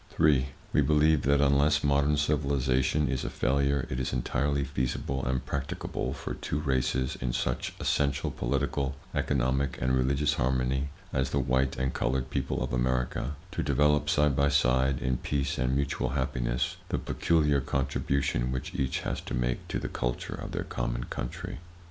3. We believe that, unless modern civilization is a failure, it is entirely feasible and practicable for two races in such essential political, economic and religious harmony as the white and colored people of America, to develop side by side in peace and mutual happiness, the peculiar contribution which each has to make to the culture of their common country.